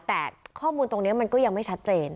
แต่ข้อมูลตรงนี้มันก็ยังไม่ชัดเจน